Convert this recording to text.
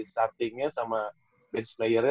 starting nya sama bench player nya